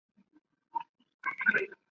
刘邦出征皆与樊哙一同。